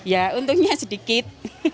ya untungnya sedikit